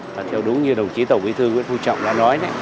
và theo đúng như đồng chí tổng bí thư nguyễn phú trọng đã nói